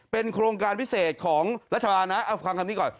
เป็นโครงการพิเศษของรัฐบาลนะเอาฟังคำนี้ก่อน